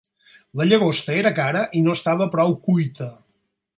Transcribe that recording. La llagosta era cara i no estava prou cuita.